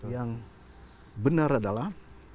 yang benar adalah